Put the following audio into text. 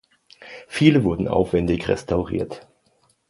Viele wurden aufwendig restauriert.